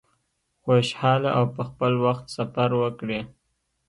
خوشحاله او په خپل وخت سفر وکړی.